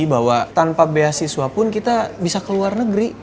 bahwa tanpa beasiswa pun kita bisa ke luar negeri